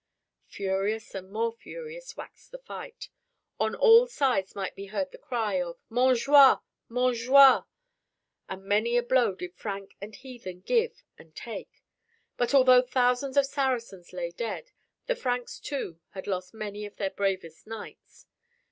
Furious and more furious waxed the fight. On all sides might be heard the cry of "Montjoie! Montjoie!" and many a blow did Frank and heathen give and take. But although thousands of Saracens lay dead, the Franks too had lost many of their bravest knights.